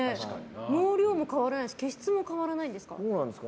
毛量も変わらないし毛質も変わらないですか？